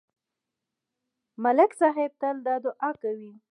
ملک صاحب تل دا دعا کوي.